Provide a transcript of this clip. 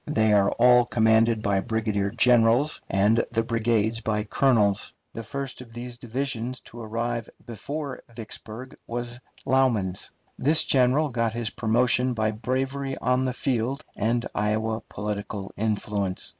They are all commanded by brigadier generals, and the brigades by colonels. The first of these divisions to arrive before Vicksburg was Lauman's. This general got his promotion by bravery on the field and Iowa political influence.